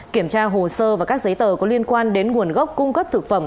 kiểm tra hồ sơ và các giấy tờ có liên quan đến nguồn gốc cung cấp thực phẩm